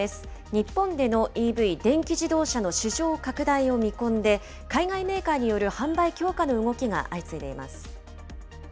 日本でのＥＶ・電気自動車の市場拡大を見込んで、海外メーカーによる販売強化の動きが相次いでいます。